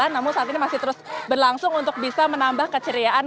namun saat ini masih terus berlangsung untuk bisa menambah keceriaan